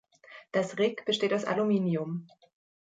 Das Rigg besteht aus Aluminium.